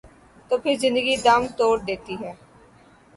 تو پھر زندگی دم توڑ دیتی ہے۔